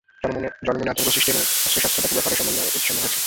জনমনে আতঙ্ক সৃষ্টি এবং অস্ত্রশস্ত্রের ব্যাপক ব্যবহারের সমন্বয়ে এটি সম্ভব হয়েছে।